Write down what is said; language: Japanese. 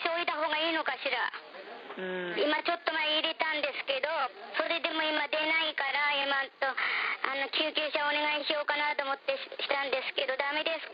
今ちょっと前に入れたんですけど、それでも今、出ないから、今、救急車お願いしようかなと思ってしたんですけど、だめですか？